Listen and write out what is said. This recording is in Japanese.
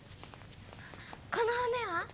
この骨は？